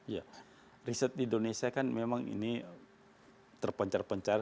ya riset di indonesia kan memang ini terpencar pencar